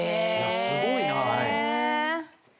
すごいな。